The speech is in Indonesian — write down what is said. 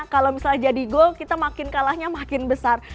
kalau misalnya jadi gol kita makin kalahnya makin besar